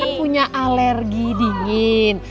oh punya alergi dingin